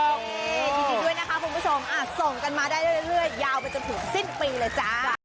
ยินดีด้วยนะคะส่งมาได้เรื่อยยาวมันจะถึงสิ้นปีเลยจ้ะ